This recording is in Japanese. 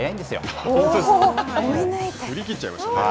振り切っちゃいましたね。